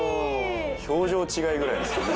表情の違いぐらいですよね